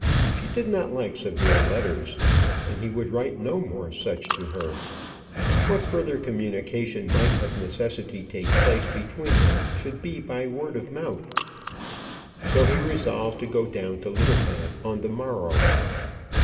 She did not like severe letters, and he would write no more such to her. What further communication might of necessity take place between them should be by word of mouth. So he resolved to go down to Littlebath on the morrow.